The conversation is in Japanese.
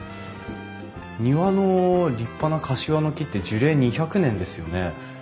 庭の立派なカシワの木って樹齢２００年ですよね？